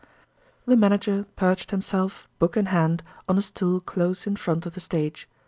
The manager perched himself, book in hand, on a stool close in front of the stage.